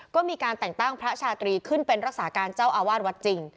ก็มีการแต่งตั้งพระชาตรีขึ้นเป็นรักษาการเจ้าอาวาสวัดจริง